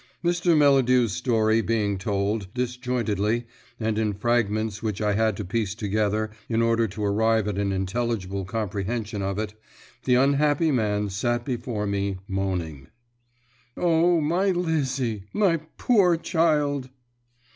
Mr. Melladew's story being told, disjointedly, and in fragments which I had to piece together in order to arrive at an intelligible comprehension of it, the unhappy man sat before me, moaning. "O, my Lizzie! O, my poor child!"